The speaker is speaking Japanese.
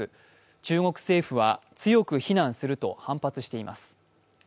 中国政府は、強く非難すると反発しています。